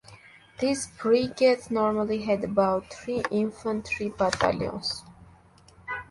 These brigades normally head about three infantry battalions.